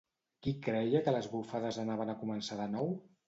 Qui creia que les bufades anaven a començar de nou?